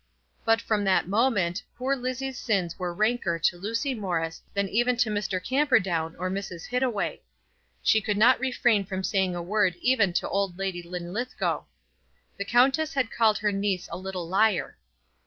But, from that moment, poor Lizzie's sins were ranker to Lucy Morris than even to Mr. Camperdown or Mrs. Hittaway. She could not refrain from saying a word even to old Lady Linlithgow. The countess had called her niece a little liar.